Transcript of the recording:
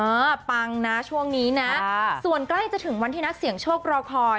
ปังนะช่วงนี้นะส่วนใกล้จะถึงวันที่นักเสี่ยงโชครอคอย